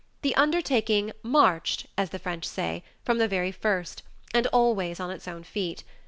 The undertaking "marched," as the French say, from the very first, and always on its own feet.